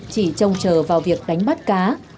chỉ trông chờ vào việc đánh bắt cá